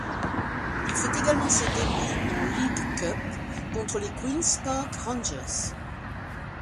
Il fait également ses débuts en League Cup contre les Queens Park Rangers.